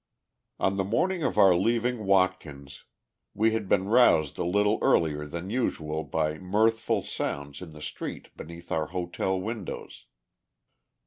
On the morning of our leaving Watkins, we had been roused a little earlier than usual by mirthful sounds in the street beneath our hotel windows.